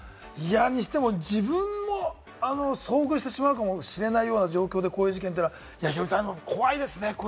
にしても自分も遭遇してしまうかもしれないような状況でこういう事件はヒロミさん、怖いですね。